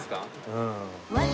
うん。